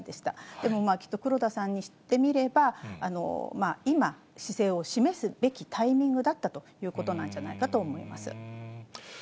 でもきっと黒田さんにしてみれば、今、姿勢を示すべきタイミングだったということなんじゃないかと思い